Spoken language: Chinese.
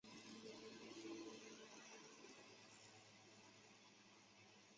有研究认为这里的部分绘像实际上是汉字的雏形。